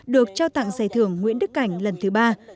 được trao tặng giải thưởng nguyễn đức cảnh lần thứ ba